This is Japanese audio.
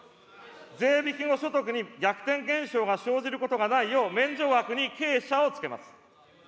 税引き後所得に逆転現象が生じることがないよう、免除額に傾斜をつけます。